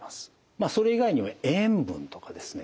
まあそれ以外にも塩分とかですね